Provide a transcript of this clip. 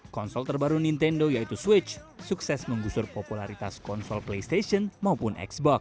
konsol terbaru nintendo yaitu switch sukses menggusur popularitas konsol playstation maupun xbox